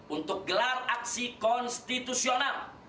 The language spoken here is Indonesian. untuk gelar aksi konstitusional